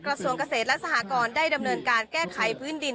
กระทรวงเกษตรและสหกรณ์ได้ดำเนินการแก้ไขพื้นดิน